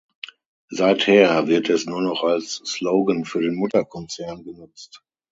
Seither wird es nur noch als Slogan für den Mutterkonzern genutzt.